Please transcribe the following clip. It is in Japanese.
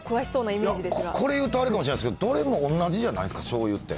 いや、これ言うとあれかもしれないですけど、どれもおんなじじゃないですか、醤油って。